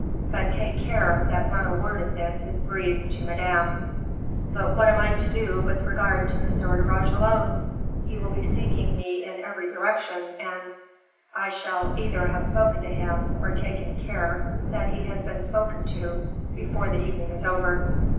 But take care that not a word of this is breathed to Madame." "But what am I to do with regard to M. de Bragelonne? He will be seeking me in every direction, and " "I shall either have spoken to him, or taken care that he has been spoken to, before the evening is over."